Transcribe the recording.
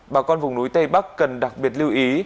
bà con vùng núi tây bắc cần đặc biệt lưu ý